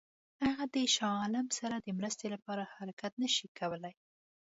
هغه د شاه عالم سره د مرستې لپاره حرکت نه شي کولای.